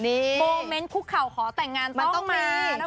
โมเมนต์คุกเข่าขอแต่งงานมันต้องมี